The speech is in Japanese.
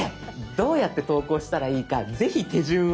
どうやって投稿したらいいかぜひ手順を。